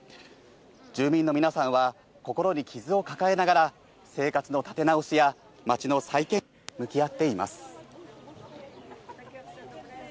住民の皆さんは心に傷を抱えながら、生活の立て直しや街の再建に向き合っています。